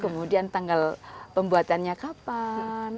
kemudian tanggal pembuatannya kapan